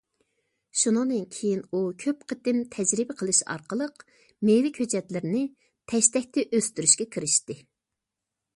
شۇنىڭدىن كېيىن ئۇ كۆپ قېتىم تەجرىبە قىلىش ئارقىلىق مېۋە كۆچەتلىرىنى تەشتەكتە ئۆستۈرۈشكە كىرىشتى.